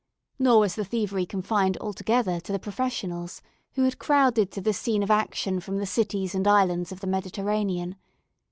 Nor was the thievery confined altogether to the professionals, who had crowded to this scene of action from the cities and islands of the Mediterranean.